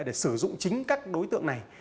để sử dụng chính các đối tượng này